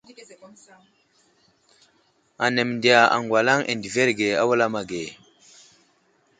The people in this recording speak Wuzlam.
Anaŋ məndiya aŋgalaŋ adəverge a wulam age.